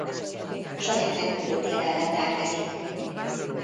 Saját repülőtérrel rendelkezik.